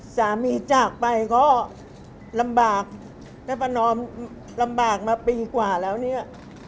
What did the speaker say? จากไปก็ลำบากแม่ประนอมลำบากมาปีกว่าแล้วเนี่ย